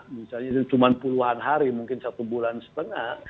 misalnya itu cuma puluhan hari mungkin satu bulan setengah